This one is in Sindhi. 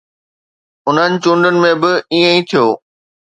انهن چونڊن ۾ به ائين ئي ٿيو.